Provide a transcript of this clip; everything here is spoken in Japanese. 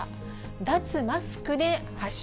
脱マスクで発症？